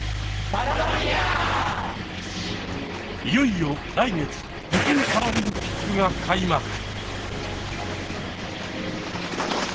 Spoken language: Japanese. いよいよ来月北京パラリンピックが開幕。